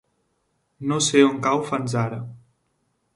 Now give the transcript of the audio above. No sé on cau Fanzara.